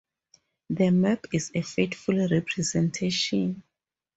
The map is a faithful representation.